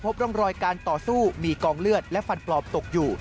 พบร่องรอยการต่อสู้มีกองเลือดและฟันปลอมตกอยู่